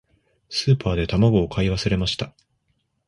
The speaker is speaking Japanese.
スーパーで卵を買い忘れました。